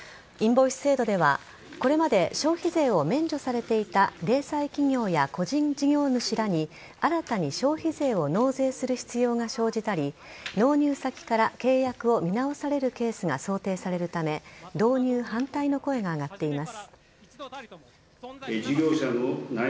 インボイス制度ではこれまで消費税を免除されていた零細企業や個人事業主らに新たに消費税を納税する必要が生じたり納入先から契約を見直されるケースが想定されるため導入反対の声が上がっています。